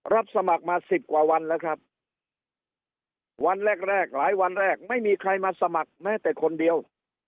รับสมัครมาสิบกว่าวันแล้วครับวันแรกแรกหลายวันแรกไม่มีใครมาสมัครแม้แต่คนเดียว